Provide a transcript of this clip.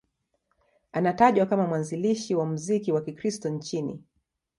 Anatajwa kama mwanzilishi wa muziki wa Kikristo nchini.